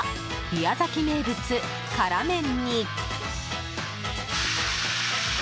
宮崎名物、辛麺に。